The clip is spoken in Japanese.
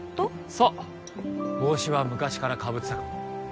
そう帽子は昔から被ってたかも。